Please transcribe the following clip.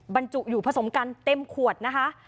บรรจุอยู่ผสมกันเต็มขวดนะคะ